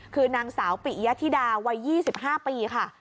คือนางสาวปิยธิดาวัย๒๕ปีค่ะ